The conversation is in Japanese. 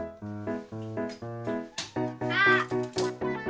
あっ！